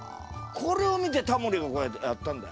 これを見てタモリがこうやってやったんだよ。